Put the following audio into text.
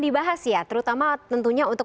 dibahas ya terutama tentunya untuk